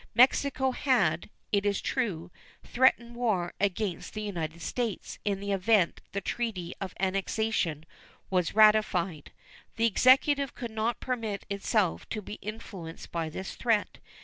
Mexico had, it is true, threatened war against the United States in the event the treaty of annexation was ratified. The Executive could not permit itself to be influenced by this threat.